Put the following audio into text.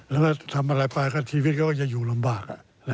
แล้วถ้าทำอะไรไปกับชีวิตก็จะอยู่ลำบาก